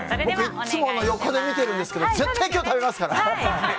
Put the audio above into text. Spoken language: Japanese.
いつも横で見てるんですけど絶対今日食べますから。